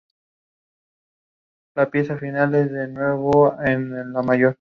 Es la tercer pista del álbum, otro instrumental.